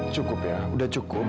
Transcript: cukup ya udah cukup